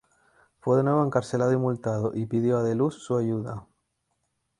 Fue de nuevo encarcelado y multado y pidió a de Loos su ayuda.